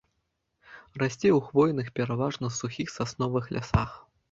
Расце ў хвойных, пераважна сухіх сасновых лясах.